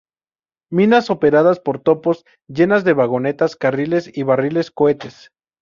Minas operadas por topos, llenas de vagonetas, carriles y barriles cohetes.